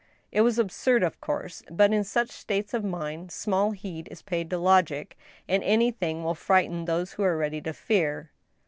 It was absurd, of course, but, in such states of mind, small heed is paid to logic, and anything will frighten those who are ready to fear.